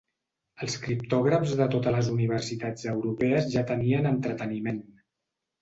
Els criptògrafs de totes les universitats europees ja tenien entreteniment.